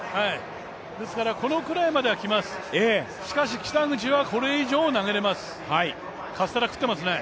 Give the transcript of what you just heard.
ですからこのくらいまでは来ます、しかし、北口はこれ以上投げれます、カステラ食ってますね。